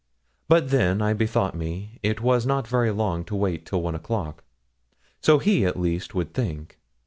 But then, I bethought me, it was not very long to wait till one o'clock so he, at least, would think.